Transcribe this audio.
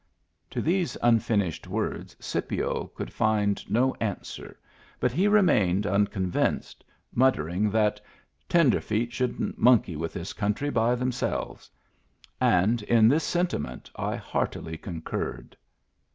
To these unfinished words Scipio could find no answer, but he remained unconvinced, muttering that "tenderfeet shouldn't monkey with this country by themselves ;" and in this sentiment I heartily concurred.